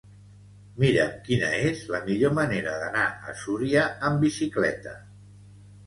Mira'm quina és la millor manera d'anar a Súria amb bicicleta.